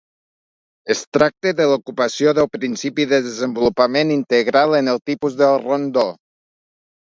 Es tracta de l'ocupació del principi de desenvolupament integral en el tipus del rondó.